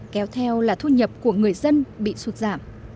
kéo theo là thu nhập của người dân bị sụt giảm